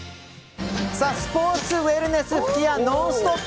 スポーツウエルネス吹矢「ノンストップ！」